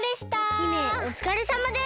姫おつかれさまです！